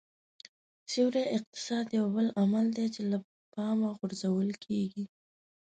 سیوري اقتصاد یو بل عامل دی چې له پامه غورځول کېږي